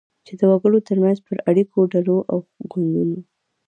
چی د وګړو ترمنځ پر اړیکو، ډلو او ګوندونو